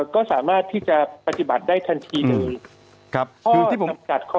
ก็สามารถปฏิบัติได้ทันทีนึง